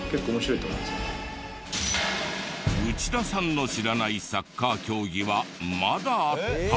内田さんの知らないサッカー競技はまだあった！